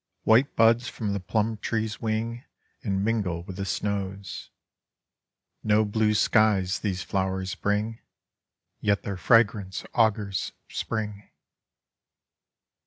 White buds from the plum trees wing And mingle with the snows. No blue skies these flowers bring, Yet their fragrance augurs spring.